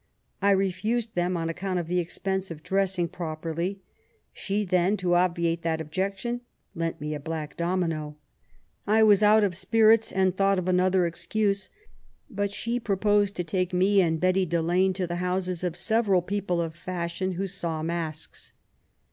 I refused them on account of the expense of dressing properly. She then, to obyiate that objection, lent me a black domino. I was out of spirits, and thought of another excuse ; but she proposed to take me and Betty Delane to the houses of several people of fashion who saw masks.